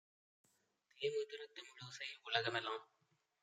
தேமதுரத் தமிழோசை உலகமெலாம்